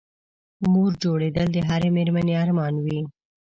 مور جوړېدل د هرې مېرمنې ارمان وي